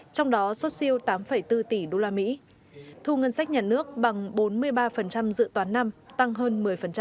trong đó xuất siêu tám bốn tỷ usd thu ngân sách nhà nước bằng bốn mươi ba dự toán năm tăng hơn một mươi